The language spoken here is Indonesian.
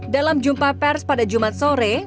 dalam jumpa pers pada jumat sore